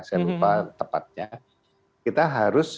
saya lupa tepatnya kita harus